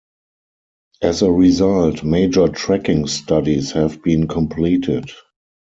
As a result, major tracking studies have been completed.